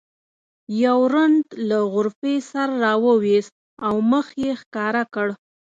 یو رند له غرفې سر راوویست او مخ یې ښکاره کړ.